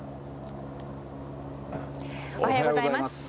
おはようございます。